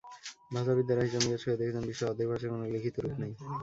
ভাষাবিদেরা হিসাব-নিকাশ করে দেখেছেন বিশ্বের অর্ধেক ভাষার কোনো লিখিত রূপ নেই।